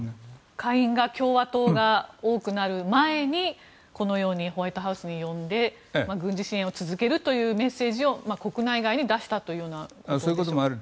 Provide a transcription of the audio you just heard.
下院が共和党が多くなる前にこのようにホワイトハウスに呼んで軍事支援を続けるというメッセージを国内外に出したというようなことでしょうか。